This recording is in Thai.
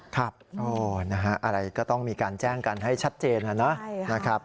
อะไรก็ต้องมีการแจ้งกันให้ชัดเจนนะครับ